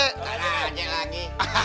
taro aja lagi